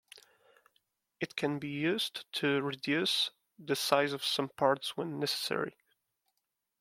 It can be used to reduce the size of some parts when necessary.